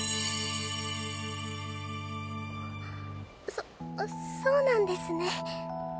そそうなんですね。